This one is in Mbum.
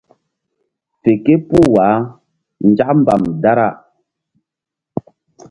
Fe képuh wah nzak mbam dara.